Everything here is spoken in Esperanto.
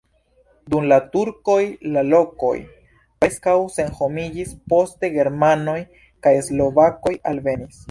Dum la turkoj la lokoj preskaŭ senhomiĝis, poste germanoj kaj slovakoj alvenis.